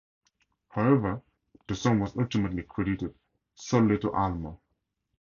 However, the song was ultimately credited solely to Almer.